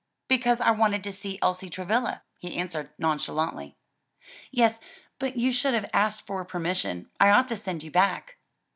"Because I wanted to see Elsie Travilla," he answered nonchalantly. "Yes, but you should have asked for permission. I ought to send you back."